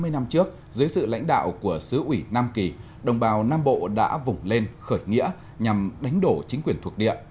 sáu mươi năm trước dưới sự lãnh đạo của sứ ủy nam kỳ đồng bào nam bộ đã vùng lên khởi nghĩa nhằm đánh đổ chính quyền thuộc địa